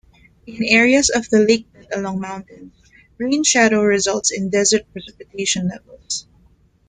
In areas of the lakebed along mountains, rain shadow results in desert precipitation levels.